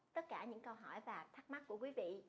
tất cả những câu hỏi và thắc mắc của quý vị